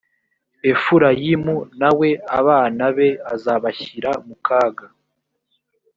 efurayimu nawe abana be azabashyira mu kaga